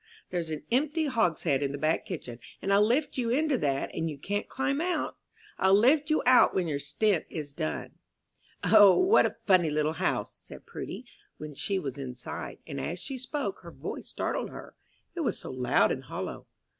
There's an empty hogshead in the back kitchen, and I'll lift you into that, and you can't climb out. I'll lift you out when your stint is done." "O, what a funny little house," said Prudy, when she was inside; and as she spoke, her voice startled her it was so loud and hollow.